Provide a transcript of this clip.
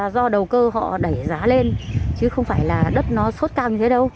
do đầu cơ họ đẩy giá lên chứ không phải là đất nó sốt cao